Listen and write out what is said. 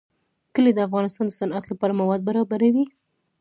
کلي د افغانستان د صنعت لپاره مواد برابروي.